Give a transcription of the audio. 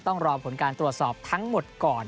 ต้องรอผลการตรวจสอบทั้งหมดก่อน